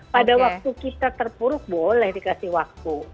pada waktu kita terpuruk boleh dikasih waktu